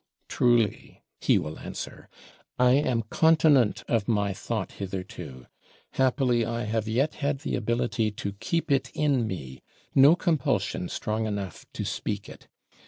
"Truly," he will answer, "I am continent of my thought hitherto; happily I have yet had the ability to keep it in me, no compulsion strong enough to speak it.